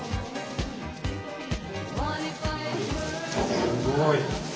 すごい！